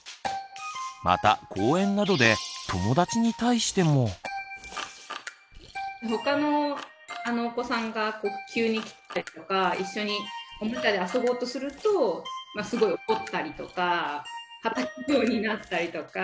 また公園などでほかのお子さんが急に来たりとか一緒におもちゃで遊ぼうとするとすごい怒ったりとかたたくようになったりとか。